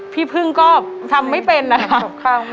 พี่พึ่งก็ทำไม่เป็นนะครับ